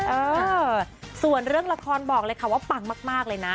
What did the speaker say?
เออส่วนเรื่องละครบอกเลยค่ะว่าปังมากเลยนะ